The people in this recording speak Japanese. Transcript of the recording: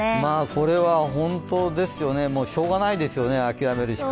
これは本当ですよね、しようがないですよね、諦めるしか。